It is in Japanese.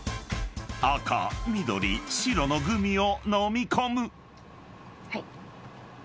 ［赤緑白のグミをのみ込む］はい。